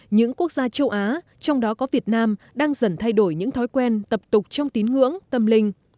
những quốc gia châu á trong đó có việt nam đang dần thay đổi những thói quen tập tục trong tín ngưỡng tâm linh